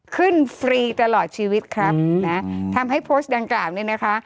ฟรีตลอดชีวิตครับนะทำให้โพสต์ดังกล่าวเนี่ยนะคะ